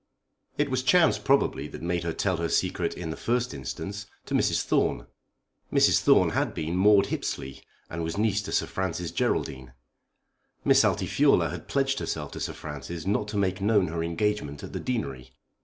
It was chance probably that made her tell her secret in the first instance to Mrs. Thorne. Mrs. Thorne had been Maude Hippesley and was niece to Sir Francis Geraldine. Miss Altifiorla had pledged herself to Sir Francis not to make known her engagement at the Deanery.